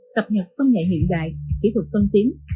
cập nhật công nghệ hiện đại kỹ thuật tân tiến